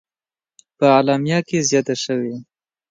په اعلامیه کې زیاته شوې: